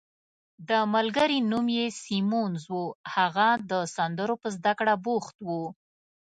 د ملګري نوم یې سیمونز وو، هغه د سندرو په زده کړه بوخت وو.